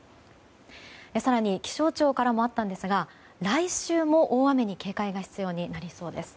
更に気象庁からもあったんですが来週も大雨に警戒が必要になりそうです。